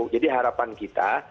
jadi harapan kita